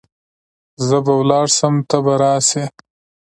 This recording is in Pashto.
زه به ولاړ سم ته به راسي .